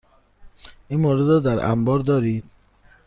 این مورد را در انبار دارید؟